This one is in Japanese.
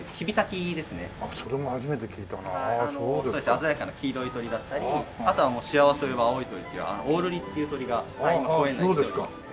鮮やかな黄色い鳥だったりあとはもう「幸せを呼ぶ青い鳥」っていうオオルリっていう鳥が今公園内に来ておりますね。